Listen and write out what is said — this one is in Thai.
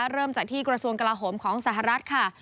เริ่มจากที่กระทรวงกลาโหมของสหรัฐค่ะ